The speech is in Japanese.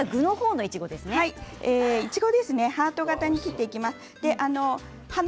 いちごはハート形に切っていただきます。